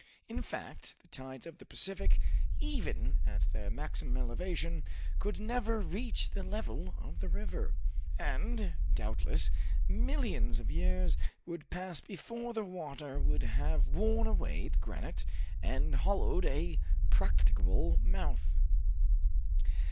In fact, the tides of the Pacific, even at their maximum elevation, could never reach the level of the river, and, doubtless, millions of years would pass before the water would have worn away the granite and hollowed a practicable mouth.